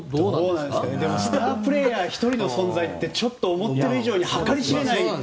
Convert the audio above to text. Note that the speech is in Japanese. スタープレーヤー１人の存在って思っている以上に計り知れない。